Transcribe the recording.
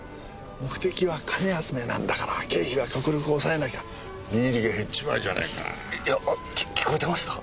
目的は金集めなんだから経費は極力抑えなきゃ実入りが減っちまうじゃねえか。